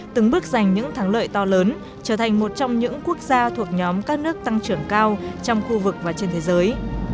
từng bước giành những thắng lợi to lớn trở thành một trong những quốc gia thuộc nhóm các nước tăng trưởng cao trong khu vực và trên thế giới